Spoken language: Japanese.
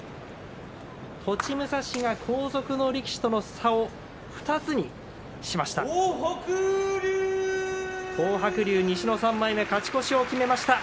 栃武蔵が後続の力士との差を２つにしました。